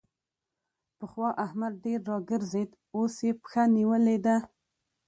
پخوا احمد ډېر راګرځېد؛ اوس يې پښه نيولې ده.